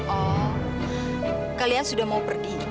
oh kalian sudah mau pergi